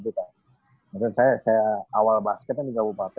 maksudnya saya awal basketnya di kabupaten